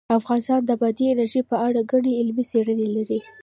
افغانستان د بادي انرژي په اړه ګڼې علمي څېړنې لري.